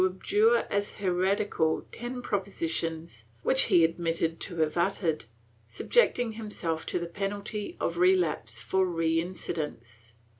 He was obliged pub licly to abjure as heretical ten propositions which he admitted to have uttered, subjecting himself to the penalty of relapse for reincidence.